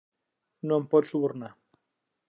No em pots subornar.